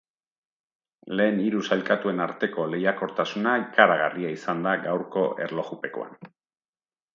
Lehen hiru sailkatuen arteko lehiakortasuna ikaragarria izan da gaurko erlojupekoan.